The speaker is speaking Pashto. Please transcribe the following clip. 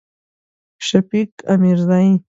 شفیق امیرزی